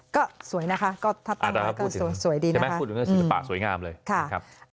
ก็สวยนะคะถัดต่างหาก็สวยดีนะครับ